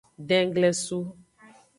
Denglesu.